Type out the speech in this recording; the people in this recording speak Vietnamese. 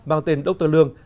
bao tên dr lương